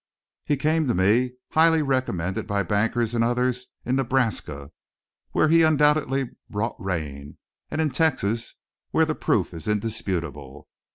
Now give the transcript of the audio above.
"He came to me highly recommended by bankers and others in Nebraska, where he undoubtedly brought rain, and in Texas, where the proof is indisputable.